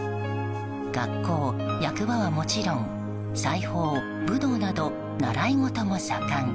学校、役場はもちろん裁縫、武道など習い事も盛ん。